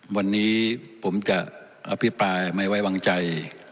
วันนี้ผมจะอภิปรายไม่ไว้วางใจ